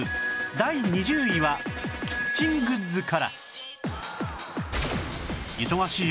第２０位はキッチングッズから